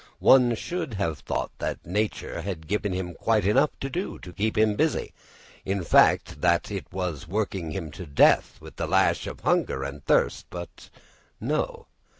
One should have thought that nature had given him quite enough to do to keep him busy, in fact that it was working him to death with the lash of hunger and thirst, but no.